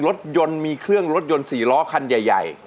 รถยนต์มีเครื่องรถยนต์๔ล้อคันใหญ่